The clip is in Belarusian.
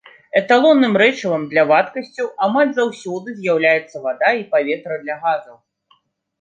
Эталонным рэчывам для вадкасцяў амаль заўсёды з'яўляецца вада і паветра для газаў.